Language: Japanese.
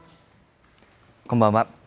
こんばんは。